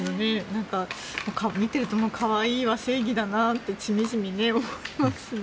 なんか見ていると可愛いは正義だなってしみじみ思いますよね。